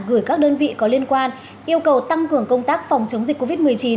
gửi các đơn vị có liên quan yêu cầu tăng cường công tác phòng chống dịch covid một mươi chín